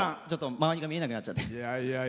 周りが見えなくなっちゃって。